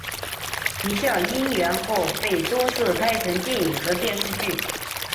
啼笑因缘后被多次拍成电影和电视剧。